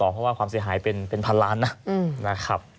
เพราะว่าความเสียหายเป็นพันล้านนะครับ